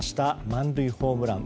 満塁ホームラン。